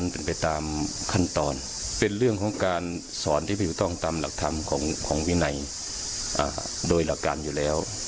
เป็นไปตามขั้นตอนเป็นเรื่องของการสอนที่ผิดต้องตามหลักธรรมของวินัยโดยหลักการอยู่แล้ว